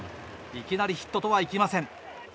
いきなりヒットとはいきません。